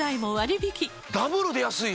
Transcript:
ダブルで安いな！